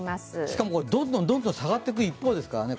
しかも、どんどん下がっていく一方ですからね。